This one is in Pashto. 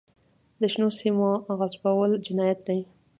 د شنو سیمو غصبول جنایت دی.